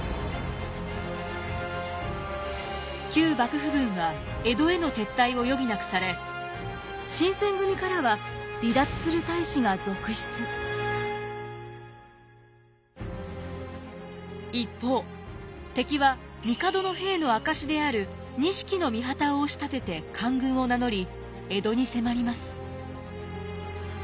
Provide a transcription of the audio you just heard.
旧幕府軍は江戸への撤退を余儀なくされ一方敵は帝の兵の証しである錦の御旗を押し立てて官軍を名乗り江戸に迫ります。